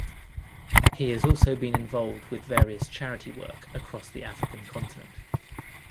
He has also been involved with various charity work across the African continent.